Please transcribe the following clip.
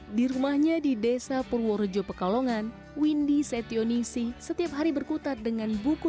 hai di rumahnya di desa purworejo pekalongan windy setionisi setiap hari berkutat dengan buku